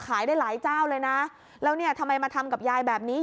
ขายได้หลายเจ้าเลยนะแล้วเนี่ยทำไมมาทำกับยายแบบนี้